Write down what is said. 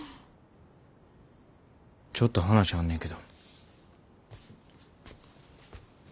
ちょっと話あんねんけど。